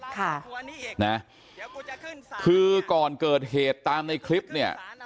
ค่ะนะคือก่อนเกิดเหตุตามในคลิปเนี่ย